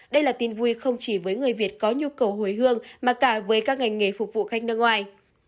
đây là tin vui không chỉ với người việt có nhu cầu hồi hương mà cả với các ngành nghề phục vụ khách nước ngoài